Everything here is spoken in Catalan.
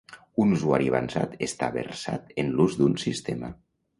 Un usuari avançat està versat en l'ús d'un sistema.